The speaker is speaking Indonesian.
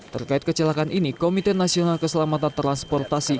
terkait kecelakaan ini komite nasional keselamatan transportasi